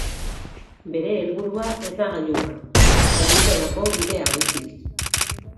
Bere helburua ez da gailurra, gailurrerako bidea baizik.